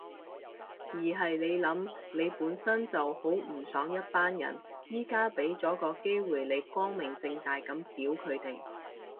而係你諗，你本身就好唔爽一班人，而家畀咗個機會你光明正大噉屌佢哋